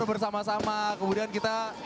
bersama sama kemudian kita